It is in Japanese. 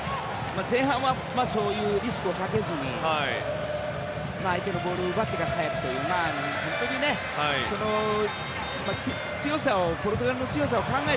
前半はそういうリスクをかけずに相手のボールを奪ってから早くという本当にポルトガルの強さを。